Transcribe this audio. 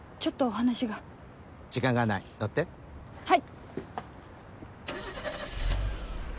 はい。